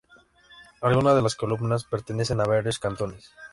Algunas de las comunas pertenecen a varios cantones.